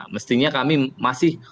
mestinya kami masih